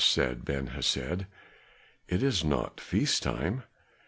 said Ben Hesed. "It is not feast time."